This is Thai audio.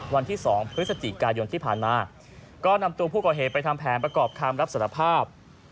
วันที่๒พฤศจิกายนที่ผ่านมาก็นำตัวผู้ก่อเหตุไปทำแผนประกอบคำรับสารภาพ